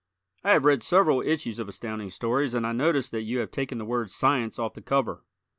I have read several issues of Astounding Stories and I notice that you have taken the word "science" off the cover.